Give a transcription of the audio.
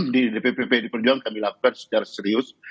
di dpp pdi perjuangan kami lakukan secara serius